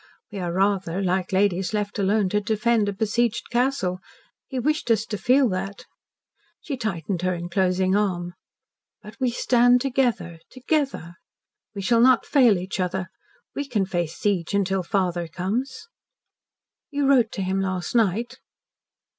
"We are rather like ladies left alone to defend a besieged castle. He wished us to feel that." She tightened her enclosing arm. "But we stand together together. We shall not fail each other. We can face siege until father comes." "You wrote to him last night?"